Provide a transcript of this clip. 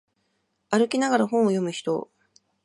歩きながら本を読む人